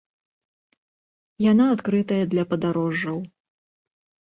Яна адкрытая для падарожжаў.